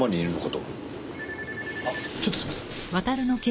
あっちょっとすみません。